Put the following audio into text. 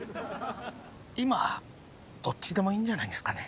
今どっちでもいいんじゃないんですかね。